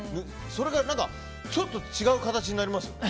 それがちょっと違う形になりますよね。